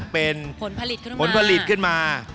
ผลผลิตขึ้นมา